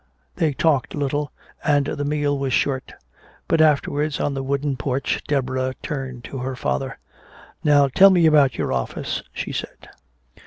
They talked little and the meal was short. But afterwards, on the wooden porch, Deborah turned to her father, "Now tell me about your office," she said.